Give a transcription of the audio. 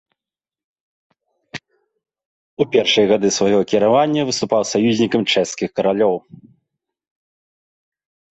У першыя гады свайго кіравання выступаў саюзнікам чэшскіх каралёў.